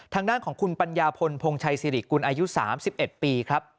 ทางด้านของคุณปัญญาพลพงชัยสิริกุลอายุ๓๑ปีครับ